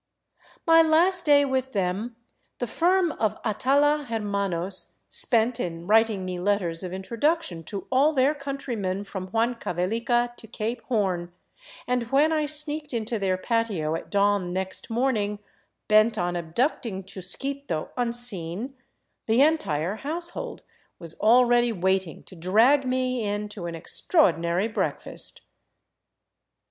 My last day with them the firm of Atala Hermanos spent in writing me letters of introduction to all their countrymen from Huancavelica to Cape Horn, and when I sneaked into their patio at dawn next morning, bent on abducting Chusquito unseen, the entire household was already waiting to drag me in to an extraordinary breakfast.